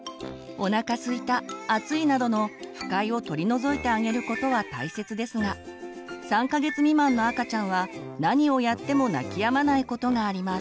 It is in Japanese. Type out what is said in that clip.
おなかすいた暑いなどの不快を取り除いてあげることは大切ですが３か月未満の赤ちゃんは何をやっても泣きやまないことがあります。